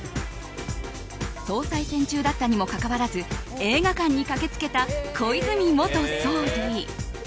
総裁選中だったにもかかわらず映画館に駆け付けた小泉元総理。